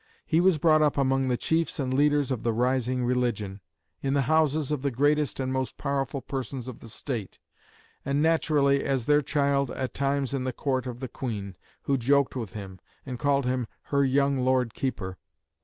He was brought up among the chiefs and leaders of the rising religion, in the houses of the greatest and most powerful persons of the State, and naturally, as their child, at times in the Court of the Queen, who joked with him, and called him "her young Lord Keeper."